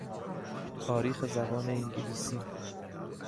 تاریخ زبان انگلیسی